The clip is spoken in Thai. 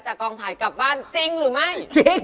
กองถ่ายกลับบ้านจริงหรือไม่